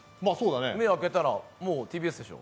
目開けたらもうＴＢＳでしょ。